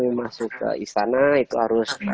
yang masuk ke istana itu harus